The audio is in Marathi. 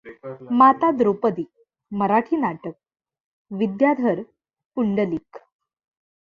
माता द्रौपदी मराठी नाटक, विद्याधर पुंडलिक